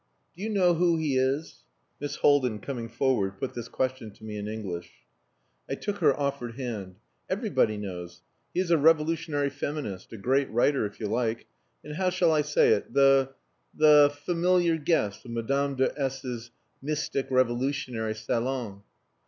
"Do you know who he is?" Miss Haldin, coming forward, put this question to me in English. I took her offered hand. "Everybody knows. He is a revolutionary feminist, a great writer, if you like, and how shall I say it the the familiar guest of Madame de S 's mystic revolutionary salon."